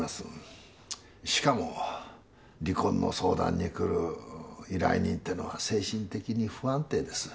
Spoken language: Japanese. しかも離婚の相談に来る依頼人ってのは精神的に不安定です。